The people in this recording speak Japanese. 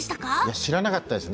知らなかったですね。